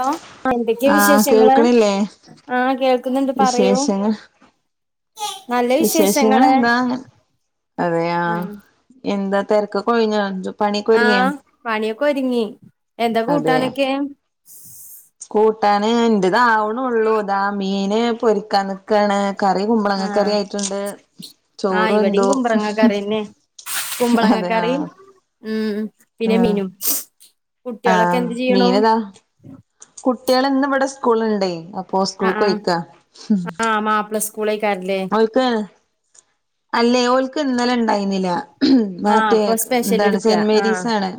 Hello എന്തൊക്കെയാ ആഹ് വിശേഷങ്ങള് കേൾക്കണില്ലേ ആഹ് കേൾക്കുന്നുണ്ട് പറയൂ വിശേഷങ്ങൾ നല്ല വിശേഷങ്ങള് വിശേഷങ്ങളെന്താ പറയാ എന്താ തിരക്കൊക്കെ ഒഴിഞ്ഞോ പണിയൊക്കെ ഒരുങ്ങിയോ ആഹ് പണിയൊക്കെ ഒരുങ്ങി. എന്താ കൂട്ടാനൊക്കെ? കൂട്ടാന്ണ്ട് അതാവണുള്ളൂ ഇതാ മീന് പൊരിക്കാൻ നിക്കാണ് കറി കുമ്പളങ്ങ കറി ആഹ് ആയിട്ടുണ്ട്. ആഹ് ചോറ് ഇവിടെയും എന്തോ കുമ്പളങ്ങ കറിന്നെയാ കുമ്പളങ്ങ അതെ കറിയും ആഹ് ഉം പിന്നെ ആഹ് മീനും കുട്ടികളൊക്കെ ആഹ് എന്ത് ചെയ്യണു മീന് ഇതാ കുട്ടികൾ ഇന്ന് ഇവിടെ സ്കൂളുണ്ടേ അപ്പൊ സ്കൂൾക്ക് ആഹ് പോയിക്കാ ആ മാപ്പിള സ്കൂളേക്കാരല്ലേ [unintelligible] അല്ലേ ഓൽക്ക് ക്ക് ഇന്നലെ ഇണ്ടായിന്നില്ല ആഹ് വാറ്റെ അപ്പൊ സ്പെഷ്യൽ എന്താണ് എടുക്ക സെന്റ് ആഹ് മേരീസ് ആണ്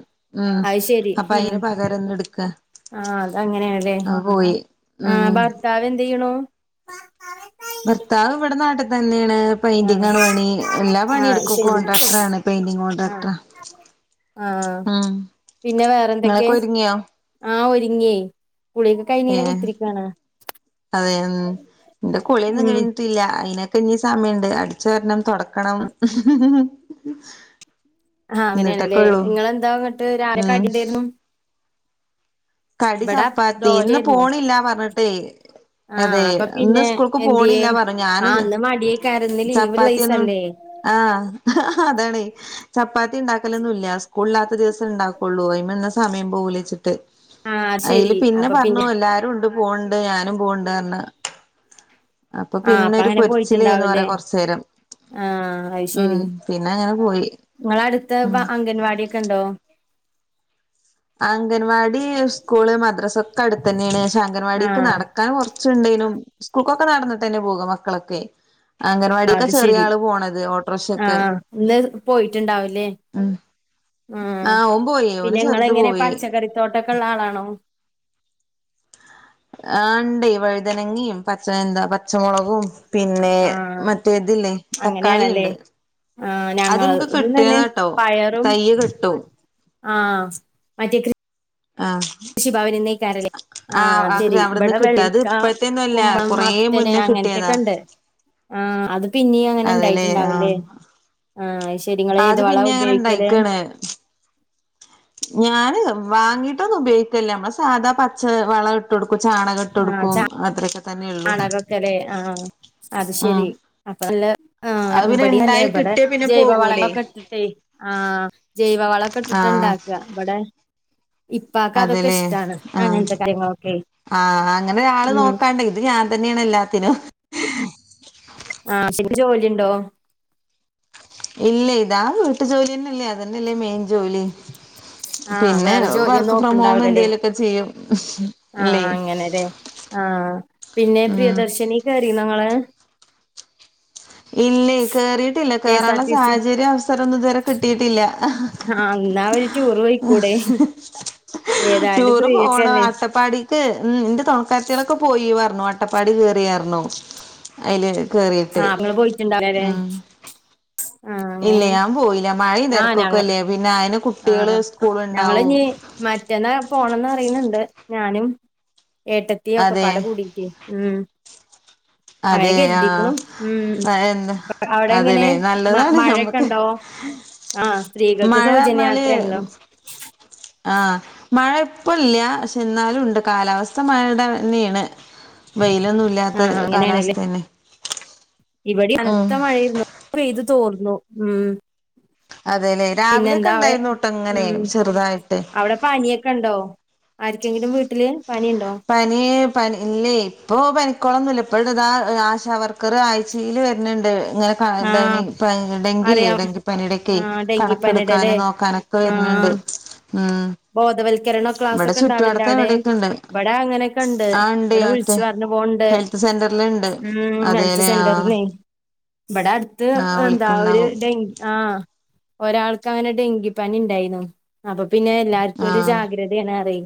ആഹ് അത് ശരി അപ്പ ഉം അയിന് പകരം ഇന്ന് എട്ക്ക ആഹ് അതങ്ങനെയാണ്ല്ലേ ആഹ് ഉം ഭർത്താവ് എന്തെയ്യണൂ ഭർത്താവ് ഇവിടെ നാട്ടി തന്നെയാണ് ആഹ് പെയിന്റിങ്ങാണ് പണി എല്ലാ പണി ആഹ് എടുക്കും ശരി കോൺട്രാക്ടറാണ് പെയിന്റിങ്‌ ആഹ് കോൺട്രാക്ടറാ ആഹ് ഉം പിന്നെ വേറെന്തൊക്കെ ഇങ്ങളൊക്കെ ഒരിങ്ങിയോ ആഹ് ഒരുങ്ങിയേ കുളി ഏഹ് അതെയോ ഉം എന്റെ കുളിയൊന്നും ഉം കഴി ഞ്ഞിട്ടില്ല അയിനൊക്കെ ഇനി സമയൊണ്ട് അടിച്ച് വാരണം തൊടക്കണം ആഹ് എന്നിട്ടൊക്കെ അങ്ങനെയാണല്ലേ ഉള്ളൂ നിങ്ങളെന്താ എന്നിട്ട് രാവിലെ ഉം കടി എന്തായിരുന്നു കടി ഇവിടെ ചപ്പാത്തി ഇന്ന് ദോശയായിരുന്നു പോണില്ല പറഞ്ഞിട്ടേ ആഹ് അതെ അപ്പൊ ഇന്ന് പിന്നെ സ്കൂൾക്ക് എന്തിയേ പോണില്ല പറഞ്ഞു ഞാന് ആഹ് ഇന്ന് മടിയേക്കാരം ഇന്ന് ലീവുള്ള ചപ്പാത്തി ഒന്നും ദിവസല്ലേ ആഹ് അതാണ് ചപ്പാത്തി ഇണ്ടാക്കലൊന്നുല്ല സ്കൂളില്ലാത്ത ദിവസം ഇണ്ടാ ക്കൊള്ളു അയിനിന്ന സമയം പോവൂലെച്ചിട്ട് ആഹ് അയില് ശരി പിന്നെ അപ്പൊ പറഞ്ഞു എല്ലാരും ഉണ്ട് പോവണ്ട് ഞാനും പോവ്ണ്ട് പർഞ് അപ്പൊ ആഹ് പിന്നെ ഒരു അങ്ങനെ പൊരിച്ചിലെയ്ന്നു പോയിട്ടുണ്ടാവൂലേ പറയാ കൊറച്ച് നേരം ആഹ് അത് ശരി ഉം പിന്നങ്ങനെ പോയി ഉം കണ്ടോ അംഗൻവാടി സ്കൂള് മദ്രാസ ഒക്കെ അടുത്തന്നെയാണ് പക്ഷെ അംഗൻവാടീക്ക് ആഹ് നട ക്കാൻ കുറച്ചുണ്ടേനും സ്കൂൾക്കൊക്കെ നടന്നിട്ടന്നെ പോക മക്കളൊക്കെയ് അംഗൻവാടിക്ക അത് ചെറിയ ശരി ആള് പോണത് ഓട്ടോറിക്ഷക്ക് ആഹ് ഇന്ന് പോയിട്ടുണ്ടാവൂലേ ഉം ആഹ് ഓൻ പോയി ഓന് ചെറു എങ്ങനെ പച്ചക്കറിത്തോട്ടൊക്കെ ഒള്ള ആളാണോ ആഹ് ഇണ്ട് വഴുതനങ്ങിയും പച്ച എന്താ പച്ചമുളകും പിന്നെ ആഹ് മറ്റേതില്ലേ അങ്ങനെയാണല്ലേ തക്കാളിയിണ്ട് ആഹ് ഞങ്ങളതും തന്നെ പയറും തയ്യ് കിട്ടും ആഹ് മറ്റേ കൃ ആഹ് ഷിഭവനിന്ന് അയ്ക്കാരല്ലേ ആഹ് അത് ശരി അവിടുന്ന് ഇവിടെ കിട്ടും അത് വെള്ളരിക്ക, ഇപ്പഴത്തെയൊന്നും അല്ല കുമ്പളം, കൊറേ മത്തന് മുന്നേ കിട്ടിയതാ അങ്ങനത്തെക്കെണ്ട് ണ്ട്. ആഹ് അത് പിന്നിം അങ്ങനെ അതെല്ലേ ഇണ്ടായിട്ട്ണ്ടാവുലേ. ആഹ് ആഹ് അയ് ശരി. ഇങ്ങളേത് അത് വളാ പിന്നെ അങ്ങനെ ഉപയോയ്ക്കല്? ഇണ്ടായിക്കാണ് ഞാന് വാങ്ങീട്ടൊന്നും ഉപയോഗിക്കൽല്ല. നമ്മളെ സാധാ പച്ച വള ട്ടൊട്ക്കും. ചാണക ട്ട് കൊടുക്കും. അത്രൊക്ക ചാണകൊക്കെ ലേ. ആഹ്. അത് ഉം ശെരി. അപ്പൊ നല്ല ആഹ് അത് പിന്നെ ഇവടിം. ഇണ്ടായി [unintelligible] ഇവടെ കിട്ടിയ പിന്നെ ജൈവ പോകൂലേ വളങ്ങളൊക്കെ ഇട്ട് ട്ടെയ്. ആഹ് ജൈവവളൊക്കെ ഇട്ടിട്ടാ ആഹ് ഇണ്ടാക്കാ. ഇവടെ അതെല്ലേ ആഹ്. കാര്യങ്ങളൊക്കെ ആഹ് അങ്ങനൊരാള് ഉം നോക്കാൻണ്ടങ്കിൽ ഇത് ഞാൻ തന്നേണ് എല്ലാത്തിനും. ആഹ് [unintelligible] ജോലിണ്ടോ? ഇല്ലെ. ഇതാ വീട്ടു ജോലിയെന്നെല്ലേ അതന്നെല്ലേ മെയിൻ ജോലി. ആഹ് പിന്നെ വേറെ ജോലിയൊന്നും വർക്ക് ഫ്രം ഹോം നോക്ക്ണ്ടാവൂല്ലല്ലേ. എന്തേലുമൊക്കെ ചെയ്യും ഇല്ലേ ആഹ് അങ്ങനെ ലേ. ആഹ് പിന്നെ ഉം പ്രിയദർശിനി കേറീന്നോ ങ്ങള്? ഇല്ലെ. കേറിയിട്ടില്ല കെ എസ് ആർ കേറാനുള്ള ടി സി സാഹചര്യും അവസരൊന്നും ഇതുവരെ കിട്ടീട്ടില്ല. ആഹ് എന്നാ ഒരു ടൂറ് പോയിക്കൂടെ ഏതായാലും ടൂറ് പോണം. ഫ്രീയൊക്കെല്ലേ അട്ടപ്പാടി ക്ക് ഉം ന്റെ തൊണക്കാരത്ത്യേളൊക്കെ പോയി പർണു. അട്ടപ്പാടി കേറീയർണു. അയില് കേറീട്ട് ഇജ്ജ് ണ്ടാവൂലലേ. ഇല്ലെ. ഞാൻ പോയില്ല. മഴിം ആഹ് ഞങ്ങ തെരക്കൊക്കെല്ലേ പിന്നെ അയിന് കുട്ട്യേള് ആഹ് സ്കൂള്ണ്ടാവും. ഞങ്ങളിഞ്ഞി മറ്റന്നാ പോണംന്നറിണ് ണ്ട് ഞാനും ഏട്ടത്തി അതെ ഒക്കെപ്പാട കൂടീട്ടേ. ഉം അങ്ങനെ അതെ കെര്തീക്കുണു. ഉം ആഹ് എന്താ അവടെങ്ങനെ അതല്ലേ മ നല്ലതാണ് നമ്മക്ക് മഴക്കെണ്ടോ? ആഹ് സ്ത്രീകൾക്ക് സൗജ ണാല് [inaudible] ആഹ് മഴ ഇപ്പ ല്ല. പക്ഷെ ന്നാലുംണ്ട് കാലാവസ്ഥ മഴടെ ന്നേണ്. വെയിലൊന്നും ഇല്ലാത്ത കാലാവസ്ഥന്നെ. ഇവടിം കനത്ത ഉം മയേര്ന്നു പെയ്ത് തോർന്നു ഉം. അതെ ലേ. രാവിലെക്കെ പിന്നെന്താ ഉണ്ടായിരുന്നുട്ടൊ ഇങ്ങനെ ചെറുതായിട്ട്. അവ്ടെ പനിയൊ ക്കെണ്ടോ, ആർക്കെങ്കിലും വീട്ടില് പനിണ്ടോ? പനി പനി ഇല്ലേ ഇപ്പൊ പനിക്കോളൊന്നുല്ല. ഇപ്പണ്ട് ദാ ആശാവർക്കർ ആയ് ച്ചീല് വര്ണ് ണ്ട് ഇങ്ങനെ ക ആഹ് ഡനി പ്പ ഡെങ്കില്ലേ അറിയാം ഡെങ്കി പനിടെക്കെ. ആഹ് ഡെങ്കിപ്പനിയുടെ അല്ലേ കണക്ക്ട്ക്കാനും നോക്കാനൊക്കെ വര്ന്ണ്ട് ഉം. ബോധവൽക്കരണൊ ഇവിടെ ക്ലാസ്സൊക്കെ ഇണ്ടാവൽല്ലെ ചുറ്റുവടത്ത് അവ്ടെ? എവിടെയൊക്കെ ഉണ്ട് ഇബടെ അങ്ങനെക്കെണ്ട്. ആ ഉണ്ട് ഇവടെ വിൾച് മറ്റേ പറഞ് പോവ്ണ്ട്. ഹെൽത്ത് സെന്ററിലുണ്ട് ഉം ഹെൽത്ത് അതേല്ലേ ആഹ് സെന്റർന്നെ. ഇബടെ അട്ത്ത് ആഹ് എന്താ ഒരു വിളിക്കണ്ടാവും ഡെങ്കി ആഹ് ഒരാൾക്കങ്ങനെ ഡെങ്കിപ്പനിണ്ടായിന്നു. അപ്പൊ പിന്നെ എല്ലാർക്കൊരു ആഹ് ജാഗ്രതേണ് പറ്യെ.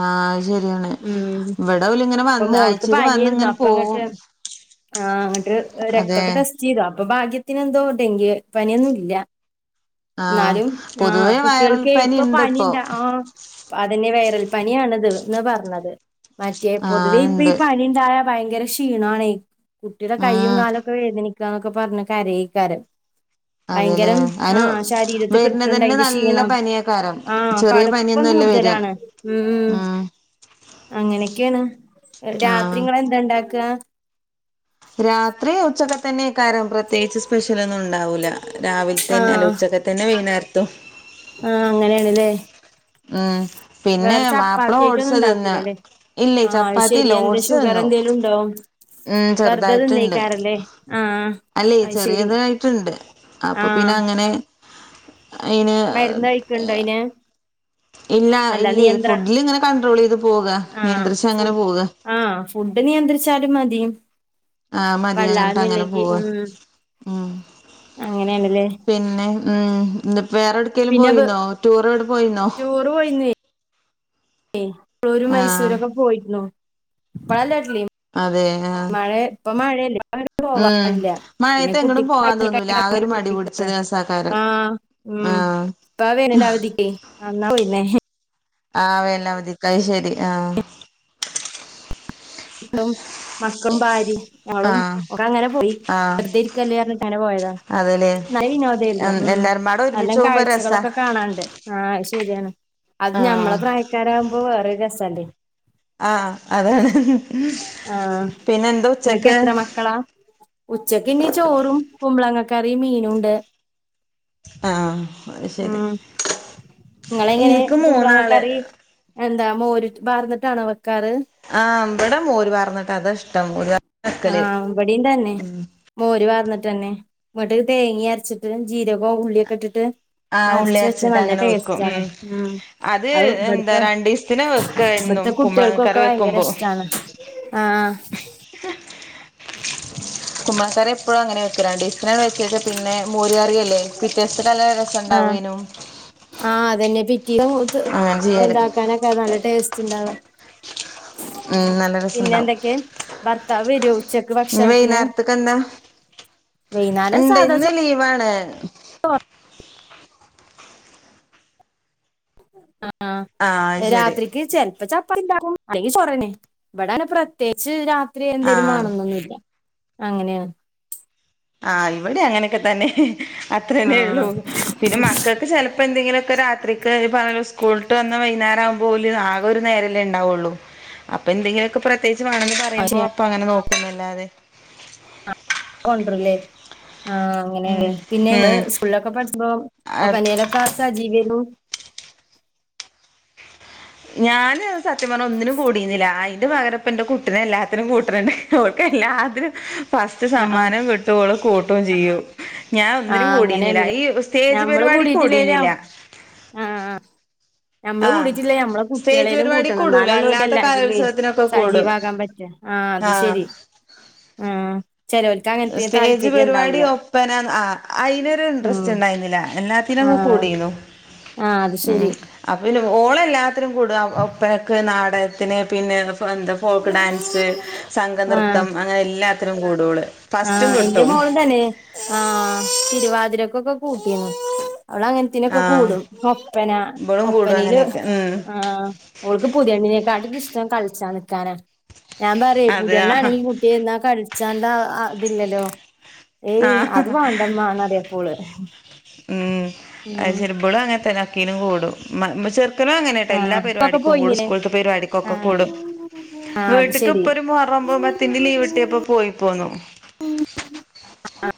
ആഹ് അത് ശെരിയാണ് ഉം ഇബടോല്ങ്ങനെ അപ്പൊ വന്ന് ആഴ്ചീൽ വന്ന് ഇങ്ങനെ പോവും. ആഹ് ഇങ്ങട്ട് അതെ രക്തൊക്കെ ടെസ്റ്റ് ചെയ്തു അപ്പൊ ഭാഗ്യത്തിന് എന്തോ ഡെങ്കി പനിയൊന്നുംല്ല. ആഹ് ന്നാലും ആഹ് പൊതുവേ വൈറൽ കുട്ട്യാൾക്കേ പനി ഇപ്പ ഇണ്ട് ഇപ്പോ പനിണ്ട, ആഹ്. ഹാ അതന്നെ വൈറൽ പനിയാണ്ത് ന്ന് പറഞ്ഞത്. മറ്റേ പൊതുവേ ആഹ് ഇപ്പ ഈ ഇണ്ട് പനി ണ്ടായാ ഭയങ്കര ക്ഷീണാണേ. കുട്ടിടെ കൈയും ഉം കാലൊക്കെ വേദനിക്കാ ന്നൊക്കെ പറഞ് കരയേക്കാരം. അതെല്ലേ ഭയങ്കരം അയിന് ആഹ് ശരീരത്ത്ക്ക്ട്ക്ക്ണ്ട് വരുന്നതന്നെ അയിന്റെ നല്ല ക്ഷീണം പനിയേക്കാരം ആഹ് ചെറിയ കടുപ്പം പനിയൊന്നുല്ല വരിക കൂടുതലാണ് ഉം ഉം അങ്ങനെക്കെണ് എ രാത്രി ആഹ് ഇങ്ങൾ എന്താണ്ടാക്കാ രാത്രി ഉച്ചക്കത്തന്നെയ്കാരം പ്രത്യേകിച്ച് സ്പെഷലൊന്നും ഉണ്ടാവൂല രാവിൽ തന്നെ അല്ല ആഹ് ഉച്ചക്ക തന്നെ വൈന്നേരത്തും ആഹ് അങ്ങനെയാണ്ലെ ആഹ് പിന്നെ മാപ്പ്ള ചപ്പാത്തി ആയിട്ടൊന്നും ഓട്ച്ചത് ന്ന ഉണ്ടാക്കൂലല്ലേ ഇല്ലേ ആഹ് അത് ശെരി ചപ്പാത്തില്ല എന്താ ഓഡ്സ് ഷുഗർ തന്നു എന്തേലും ഉണ്ടോ ഉം വെറുതെ ചെറ്തായിട്ട്ണ്ട് തിന്നേക്കാരല്ലേ ആഹ് അല്ലെ അത് ശെരി ചെറിയതായിട്ട്ണ്ട് അപ്പൊ ആഹ് പിന്നെ അങ്ങനെ അയ്ന് മരുന്ന് കഴിക്കണ്ടോ എ അയിന് ഇല്ല അല്ല ഇല്ലെ നിയന്ത്ര ഫുഡിലിങ്ങനെ കണ്ട്രോളെയ്ത് പോക ആഹ് നിയന്ത്രിച്ചങ്ങനെ ഫുഡ് പോക ആഹ് ഫുഡ് നിയന്ത്രിച്ചാലും മതി ആഹ് മതി അങ്ങനട്ട് അങ്ങനെ വല്ലാതൊന്നുല്ലെങ്കി പോവ ഉം ഉം അങ്ങനെയാണല്ലേ പിന്നെ ഉം ഇന്ന് പ്പൊ വേറൊട്ക്കെലും പോയിന്നോ ടൂറൊടെ പോയിന്നോ ഓർ പോയിന്നേ ഏയ് ടൂര് ആ മൈസൂരൊക്കെ പോയിരുന്നു ഇപ്പള്ല്ലല്ലിം അതെ ആ മഴ ഇപ്പൊ മഴല്ലേ അങ്ങന ഉം പോവാറില്ല പിന്നെ മഴയത്ത് എങ്ങടും കുട്ടിക്ക് പോവാൻ തോന്നൂല ആകെ ഒരു മടി പിടിച്ച [unintelligible] ദിവസാക്കാരം ആഹ് ഉം ആഹ് പ്പ അ വേനലവദിക്ക് അന്നാ പോയിന്നേ ആ വേനലവധിക്ക് അയ് ശരി ആഹ് ളും മക്കളും ഭാര്യേം ഞങ്ങളും ആഹ് ഒക്ക അങ്ങനെ പോയി ആഹ് വെറുതെരിക്കല്ലേർഞ്ഞിട്ട് അങ്ങനെ പോയതാ അതേല്ലേ നല്ല വിനോദേര്ന്നു ഉം എല്ലാരുംപാടെ നല്ല ഒരുമിച്ച് പോകുമ്പോ രസാ കാഴ്ചകളൊക്കെ കാണാണ്ട് ആഹ് അയ് ശെരിയാണ് അത് ഞമ്മളെ ആഹ് പ്രായക്കാരാവുമ്പോ വേറൊരു രസല്ലേ ആഹ അതാണ് ആഹ് പിന്നെ എന്താ ഇങ്ങക്ക് ഉച്ചക്ക്? എത്ര മക്കളാ? ഉച്ചക്ക് ഇനി ചോറും കുമ്പളങ്ങ കറി മീനുണ്ട്. ആഹ് അത് ശെരി. ഇങ്ങളെ എങ്ങനെ കുമ്പളങ്ങക്കറി എന്താ മോര് പാർന്നിട്ടാണോ വെക്കാറ്? ആഹ് വടെ മോര് പറർന്നിട്ട് അതാ ഇഷ്ടം മോര് വെക്കല് ആഹ് ബടിം തന്നെ. മോര് പാർന്നിട്ട് തന്നെ ഇന്നട്ട് തേങ്ങി അരച്ചിട്ട് ജീരഗോ ഉള്ളിക്കെ ഇട്ടിട്ട് ആഹ് മറച്ച് വെച്ച ഉള്ളിയരച്ചിട്ട് നല്ല അങ്ങനെ വെക്കും ടേസ്റ്റ് ആണ് ഉം മ് അത് എന്താ ഇവട്ത്തെ രണ്ടീസത്തിന് വെക്ക ഇവട്ത്തെ എന്നും കുമ്പളങ്ങ കുട്ട്യേക്കൊക്കെ കറി ഭയങ്കര വെക്കുമ്പോ ഇഷ്ടാണ്. ആഹ് ആഹ് കുമ്പളകറി എപ്പോഴും അങ്ങനെ വെക്കീണെ [unintelligible] വച്ചത് പിന്നെ മോര്കറിയല്ലേ പിറ്റ്യേസി നല്ല ആഹ് രസണ്ടാവേനു. ആഹ് അതന്നെ പിറ്റീ അങ്ങനെ ചെയ്യാറ് എന്താക്കാനൊക്കെ നല്ല ടേസ്റ്റ് ഇണ്ടാവ [inaudible] ഉം നല്ല രസണ്ടാവും ഭർത്താവ് വരോ ഉച്ചക്ക് ഇനി ഭക്ഷണത്തിന് വൈകുന്നേര്ത്ത്ക് എന്താ? വൈകുന്നേരം ഇണ്ട് സാധാ ഇന്ന് ചോ ലീവാണ്. അ അത് ആഹ് ശരി രാത്രിക്ക് ചെൽപ്പ ചപ്പാത്തി ണ്ടാകും. അല്ലെങ്ക ചൊറെന്നെ ഇവിടങനെ പ്രത്യേച്ച് രാത്രി എന്തേലും ആഹ് വാണന്നൊന്നുല്ല അങ്ങനെണ്. ആഹ് ഇവിടെ അങ്ങനെക്കെ തന്നെ അത്രന്നേ ള്ളൂ ആഹ് പിന്നെ മക്കൾക്ക് ചെല ഇപ്പ എന്തെങ്കിലൊക്കെ രാത്രിക്ക് പാറു സ്കൂൾട്ട് വന്ന വൈന്നേരാവുമ്പോ ഓല് ആകെ ഒരു നേരേല്ലെ ഇണ്ടാവൊള്ളു അപ്പ എന്തെങ്കിലൊക്കെ പ്രത്യേകിച്ച് വാണെന്ന് അത് പറയുമ്പോ ശരിയാ അപ്പ അങ്ങനെ നോക്കുന്നുല്ലാതെ കൊണ്ടരല്ല് ആഹ് ഉം അങ്ങനെലെ പിന്നെ ഇന്ന് ഉം സ്കൂള്ളോക്കെ പഠിച്ചപ്പൊ ആ അടുത്ത [unintelligible] കാസാ ജീവേനു ഞാന് സത്യം പറ്ഞ്ഞാ ഒന്നിനും കൂടീരുന്നില്ല അയിന്റെ പകരം ഇപ്പ ഇന്റെ കുട്ടിനെ എല്ലാത്തിനും കൂട്ട്ണ്ണ്ട് ഓൾക്ക് എല്ലാത്തിനും ഫസ്റ്റ് ആഹ് സമ്മാനം കിട്ടും ഓള് കൂട്ടും ചെയ്യും ഞാൻ ഒന്നിനും ആഹ് കൂടീരുന്നില്ല അങ്ങനെയാണ്ല്ലേ ഈ സ്റ്റേജ് ഞമ്മള് പരിപാടിക്ക് കൂടിയിട്ടില്ലേലും കൂടീരുന്നില്ല ആഹ് ഞമ്മള് ആഹ് കൂടീട്ടില്ലേ ഞമ്മളെ സ്റ്റേജ് കുട്ടിയളേലും പരിപാടി കൂട്ടണം കൂടൂല ഇന്നാലൊള്ളൂ അല്ലാത്ത എല്ലാരിലെ കലോത്സവത്തിനൊക്കെ കൂടും സജീവാകാൻ പറ്റാ ആഹ് അത് ശെരി ആഹ് ചെലോ സ്റ്റേജ് പരിപാടി ഓപ്പനാ ആഹ് അയ്നൊരു ഉം ഇൻട്രസ്റ്റ് ഇണ്ടായിര്ന്നില്ല എന്നാ ഇതിനൊക്കെ ആഹ് കൂടിനു. ആഹ് അത് ശെരി. അപ്പ പിന്നെ ഓളെല്ലാത്തിനും കൂടും ആ ഒപ്പനക്ക് നാടകത്തിന് പിന്നെ ഫ എന്താ ഫോക്ക് ഡാൻസ് ആഹ് സംഘനൃത്തം അങ്ങനെ എല്ലാത്തിനും കൂടോള് ആഹ് ഇന്റെ മോളും തന്നെ ആഹ് തിരുവാതിരക്കൊക്കെ കൂട്ടിന്നു ഓളങ്ങ ത്തിനൊക്കെ ആഹ് കൂടും ഒപ്പന ഇബളും കൂടും ഒപ്പനീല് അങ്ങനെയൊക്കെ ഉം ആഹ് ഓൾക്ക് പുതിയെണ്ണിനെക്കാട്ടിലും ഇഷ്ടം കച്ചാ നിക്കാനാ ഞാൻ എന്താറിയേ അതെ ആഹ് പുതിയെണ്ണാണെങ്കി കു ട്ടി ഇന്നാ കൾച്ചാണ്ടാ ഇതില്ലല്ലോ ഏയ് ആഹ് അത് മാവണ്ടമ്മാന്നറിയാ ഓള്. ഹ്മ്മ് അയ് ശെരി ഇബളും അങ്ങനെ തന്നെ ഒക്കീലും കൂടും ഇമ്മ ഇമ്മ ചേർ ക്കലും അങ്ങനെട്ടാ എല്ലാ ആഹ് ഇപ്പൊക്കെ പരിപാടിക്കും കൂടും പോയിന്നില്ലേ സ്കൂൾത്തെ പരിപാടിക്കൊക്കെ ആഹ് കൂടും, ആഹ് അത് വീട്ട്ക്ക് ശെരി ഇപ്പൊര് മുഹറൊമ്പോ പത് ത്തിന്റെ ലീവ്ട്ടിയപ്പോ പോയി പോന്നു. ഹ്മ്മ്, ആഹ്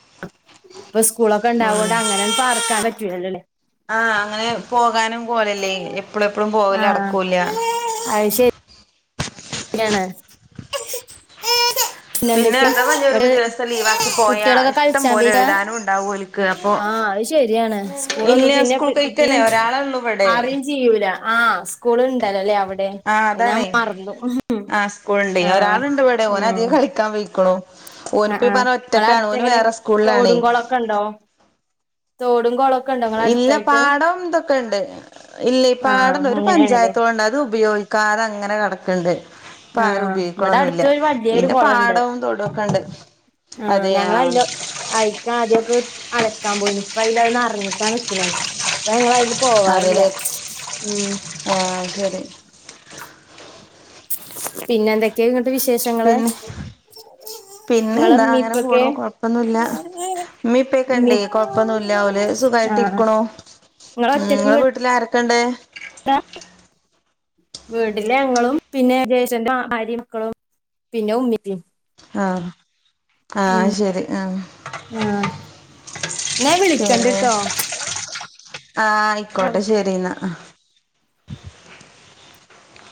ഇപ്പ സ്കൂളൊക്കെ ഉം ഇണ്ടാവോണ്ട് അങ്ങനങ്ങ് പാർക്കാൻ പറ്റുല്ലല്ലോ ലെ ആഹ് അങ്ങനെ പോകാനും കോലല്ലേ എപ്പളും എപ്പളും പോകല് ആഹ് നടക്കൂല്ല്യ അത് ശെരി. ന്യാണ് [inaudible] പിന്നെ എന്തൊക്കെ അഥവാ ഞാൻ ഒരു ദിവസം ലീവാക്കി [unintelligible] പോയാ കുട്ട്യേളൊക്കെ ഇഷ്ടം കൾച്ചാൻ പോലെ പൊയ്ക്കാ എഴുതാനും ഉണ്ടാവും ഓൽക്ക് അപ്പൊ ആഹ് അത് ശെരിയാണ് ഇല്ല സ്‌കൂളൊന്നും പിന്നെ [unintelligible] സ്കൂൾ അറീ കഴിക്കല്ലേ ഒരാളെള്ളൂ ഇവിടെ അറിം ചെയ്യൂല, ആഹ് സ്കൂള്ണ്ടല്ലോലെ അവ്ടെ ആഹ് അത് ഞാൻ അതാണേ മറന്നു ആഹ് സ്കൂളുണ്ട് ആഹ് ഒരാളുണ്ട് ഇവ്ടെ ഓനധികം ഉം കളിക്കാൻ പോയിക്ക്ണു ആഹ് ഓനിപ്പ ഈ ആഹ് പറഞ്ഞ ഒറ്റക്കാണ് ഓന് വേറെ സ്കൂളിലാണേ ക്കണ്ടോ തോടും കൊളും ഇല്ല പാടവും ഇതൊക്കെണ്ട് ഇല്ല ഈ ആഹ് പാടണ്ട് ഒര് അങ്ങനേണ്ല്ലേ പഞ്ചായത്ത് കൊളണ്ട് അത് ഉപയോഗി ക്കാതെ അങ്ങനെ കെടക്ക്ണ്ട്. ഇപ്പാരും ആഹ് ഇവടെ ഉപയോഗിക്ക്ണൊന്നുല്ല അടുത്തൊരു വല്ല്യൊരു പിന്നെ കൊളണ്ട് പാടവും തൊടുക്കെണ്ട് ആഹ് ഞങ്ങളയ്ലോ അയിക്ക ആദ്യൊക്ക് അലക്കാൻ പോയിന്ന് ഇപ്പ അയ്ല് അത് നറഞ്ഞിട്ടാ നിക്ക്ണേ അപ്പ ഞങ്ങള് അയില് അതെല്ലേ ആഹ് ശെരി പിന്നെന്തൊക്കെ ഇന്നട്ട് വിശേഷങ്ങള് ഇങ്ങളെ പിന്നെന്താ ഇമ്മീം അങ്ങനെ ഇപ്പൊക്കെ? പോണു കൊഴപ്പൊന്നുല്ല ഇമ്മീം ഇമ്മീ ഇപ്പക്കണ്ടേ കൊഴപ്പൊന്നുല്ല ഓല് സുഖായിട്ട് ആഹ് ഇരിക്ക്ണു, ഇങ്ങളെ വീട്ടില് ആരൊക്ക ക്കെണ്ട്? ഏഹ് വീട്ടില് ഞങ്ങളും പിന്നെ ജേഷ്ഠന്റെ ഭാര്യ മക്കളും പിന്നെ ഉമ്മീം ഉപ്പി ആം ആഹ് ശരി ആം ന്നാ ഞാ വിളിക്കണ്ട്ട്ടോ ആഹ് ആ അയ്ക്കോട്ടെ ശെരീന്നാ